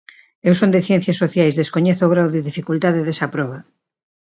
Eu son de Ciencias Sociais, descoñezo o grao de dificultade desa proba.